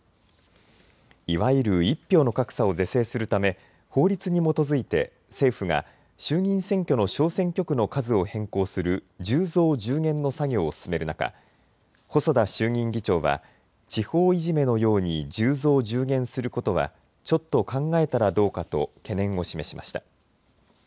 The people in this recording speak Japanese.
いわゆる１票の格差を是正するため法律に基づいて政府が衆議院選挙の小選挙区の数を変更する１０増１０減の作業を進める中、細田衆議院議長は地方いじめのように１０増１０減することはちょっと考えたらどうかと懸念を示しました。